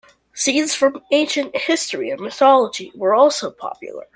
Scenes from ancient history and mythology were also popular.